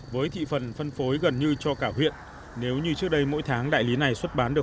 với thị phần phân phối gần như cho cả huyện nếu như trước đây mỗi tháng đại lý này xuất bán được